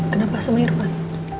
kenapa sama irfan